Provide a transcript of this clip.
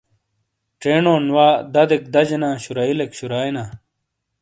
چینون وا، دَدیک دَجینا، شُرا ئیلیک شُرائینا۔